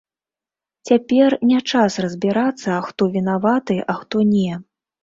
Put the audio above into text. Цяпер не час разбірацца, хто вінаваты, а хто не.